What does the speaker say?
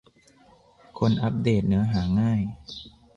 คนอัปเดตเนื้อหาง่าย ?